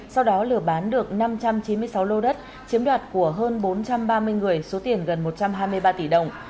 sau đó lừa bán được năm trăm chín mươi sáu lô đất chiếm đoạt của hơn bốn trăm ba mươi người số tiền gần một trăm hai mươi ba tỷ đồng